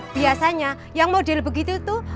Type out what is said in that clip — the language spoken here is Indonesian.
biasanya yang model begitu itu